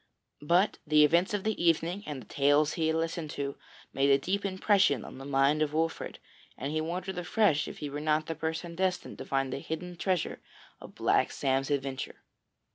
But the events of the evening, and the tales he had listened to, made a deep impression on the mind of Wolfert, and he wondered afresh if he were not the person destined to find the hidden treasure of Black Sam's adventure.